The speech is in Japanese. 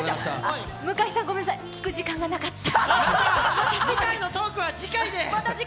向井さん、ごめんなさい、聞く時間がなかった。